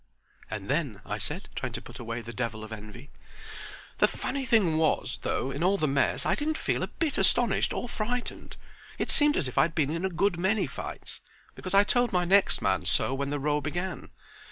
"And then?" I said, trying to put away the devil of envy. "The funny thing was, though, in all the mess I didn't feel a bit astonished or frightened. It seemed as if I'd been in a good many fights, because I told my next man so when the row began.